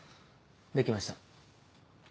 できました。